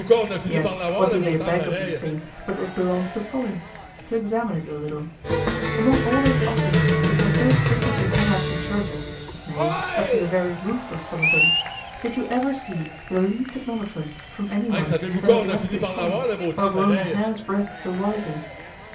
Yet what do they beg of these saints but what belongs to folly? To examine it a little. Among all those offerings which are so frequently hung up in churches, nay up to the very roof of some of them, did you ever see the least acknowledgment from anyone that had left his folly, or grown a hair's breadth the wiser?